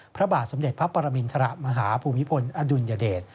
พระบาทสมเด็จพระปรมินทรมาฮภูมิพลอดุลยเดช